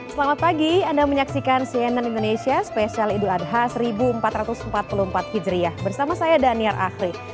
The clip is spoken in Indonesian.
selamat pagi anda menyaksikan cnn indonesia spesial idul adha seribu empat ratus empat puluh empat hijriah bersama saya daniar ahri